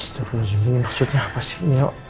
terus ini maksudnya apa sih